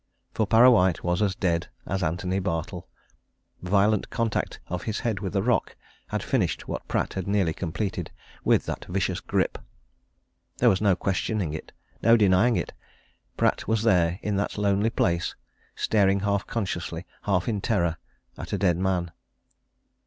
For Parrawhite was as dead as Antony Bartle violent contact of his head with a rock had finished what Pratt had nearly completed with that vicious grip. There was no questioning it, no denying it Pratt was there in that lonely place, staring half consciously, half in terror, at a dead man.